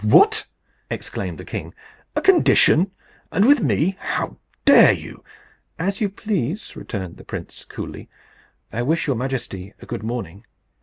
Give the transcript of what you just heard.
"What!" exclaimed the king, "a condition! and with me! How dare you?" "As you please," returned the prince coolly. "I wish your majesty a good morning."